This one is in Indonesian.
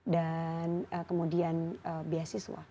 dan kemudian beasiswa